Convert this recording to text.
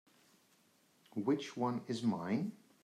Which one is mine?